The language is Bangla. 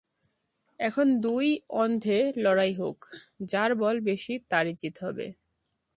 এখন দুই অন্ধে লড়াই হোক, যার বল বেশি তারই জিত হবে।